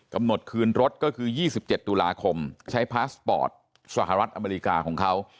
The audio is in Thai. กำหนดคืนรถก็คือ๒๗ตุลาคมใช้พาสปอร์ตสหรัฐอเมริกาของเขา